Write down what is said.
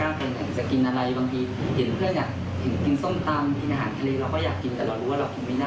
เราก็ไม่กล้ากันอย่างนี้จะกินอะไร